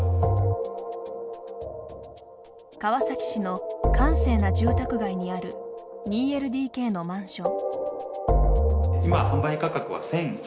川崎市の閑静な住宅街にある２ＬＤＫのマンション。